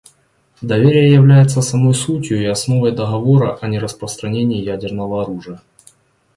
Доверие является самой сутью и основой Договора о нераспространении ядерного оружия.